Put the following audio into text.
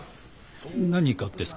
何がですか？